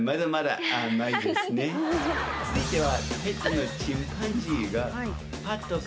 続いては。